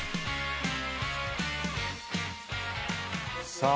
さあ